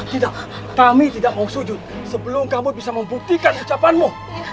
tidak kami tidak mau sujud sebelum kamu bisa membuktikan ucapanmu